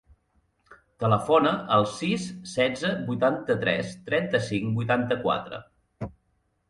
Telefona al sis, setze, vuitanta-tres, trenta-cinc, vuitanta-quatre.